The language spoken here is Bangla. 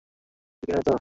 সিসিটিভি নাই তো?